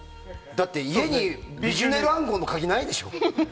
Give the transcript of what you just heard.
だって、家にヴィジュネル暗号の鍵、ないでしょ？